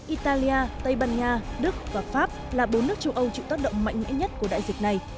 italia tây ban nha đức và pháp là bốn nước châu âu chịu tác động mạnh mẽ nhất của đại dịch này